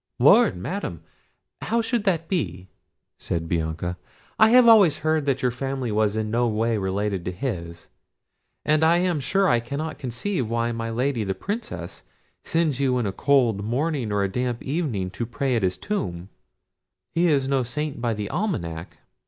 "Lord, Madam! how should that be?" said Bianca; "I have always heard that your family was in no way related to his: and I am sure I cannot conceive why my Lady, the Princess, sends you in a cold morning or a damp evening to pray at his tomb: he is no saint by the almanack.